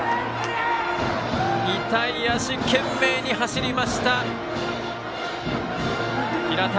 痛い足で懸命に走りました平田。